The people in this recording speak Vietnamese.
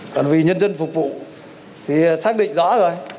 còn vì nhân dân phục vụ thì xác định rõ rồi